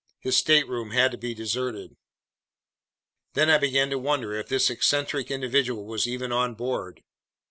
His stateroom had to be deserted. Then I began to wonder if this eccentric individual was even on board.